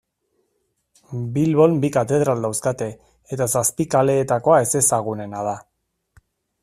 Bilbon bi katedral dauzkate eta Zapikaleetakoa ezezagunena da.